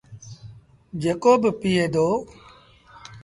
جيڪو با پيٚئي دو ۔